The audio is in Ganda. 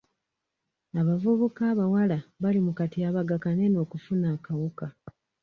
Abavuvuka abawala bali mu katyabaga kanene okufuna akawuka.